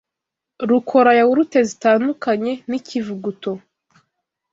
rukora yawurute zitandukanye n’ ikivuguto